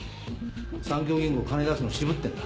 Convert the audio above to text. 三協銀行金出すの渋ってんだ。